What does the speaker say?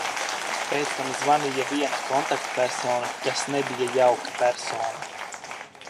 Pēc tam zvanīja viena kontaktpersona, kas nebija jauka persona.